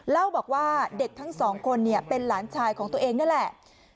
เล่าบอกว่าเด็กทั้งสองคนเป็นหลานชายของตัวเองนั่นแหละ